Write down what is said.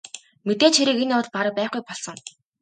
Мэдээж хэрэг энэ явдал бараг байхгүй болсон.